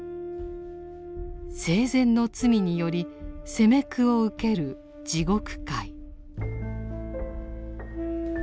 生前の罪により責め苦を受ける地獄界。